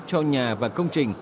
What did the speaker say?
cho nhà và công trình